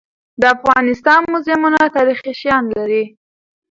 د افغانستان موزیمونه تاریخي شیان لري.